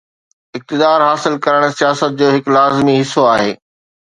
اقتدار حاصل ڪرڻ سياست جو هڪ لازمي حصو آهي.